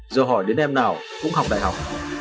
giờ hỏi đến em nào cũng học đại học